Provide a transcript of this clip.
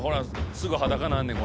すぐ裸になるねん